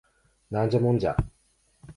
ナンジャモンジャ